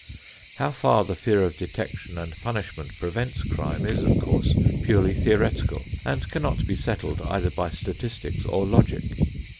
How far the fear of detection and punishment prevents crime is, of course, purely theoretical and cannot be settled either by statistics or logic.